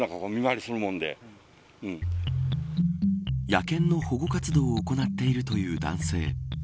野犬の保護活動を行っているという男性。